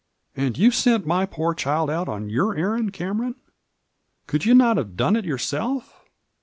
"And you sent my poor child out on your errand, Cameron 1 Could you not have done it yourself?"